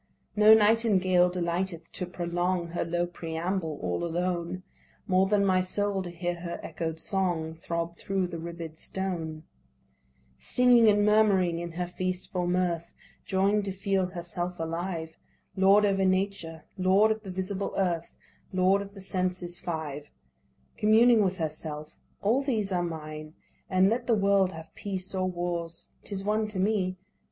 No nightingale delighteth to prolong Her low preamble all alone, More than my soul to hear her echo'd song Throb thro' the ribbed stone; Singing and murmuring in her feastful mirth, Joying to feel herself alive, Lord over Nature, Lord of the visible earth, Lord of the senses five; Communing with herself: "All these are mine, And let the world have peace or wars, 'T is one to me."